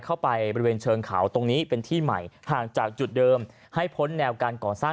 เข้าไปบริเวณเชิงเขาตรงนี้เป็นที่ใหม่ห่างจากจุดเดิมให้พ้นแนวการก่อสร้าง